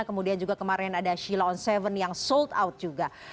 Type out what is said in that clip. kemudian juga kemarin ada shilon tujuh yang sold out juga